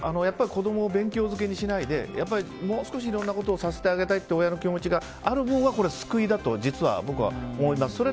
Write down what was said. やっぱり子供を勉強漬けにしないでもう少しいろんなことをさせてあげたいという親の気持ちがあるほうが救いだと実は僕は思います。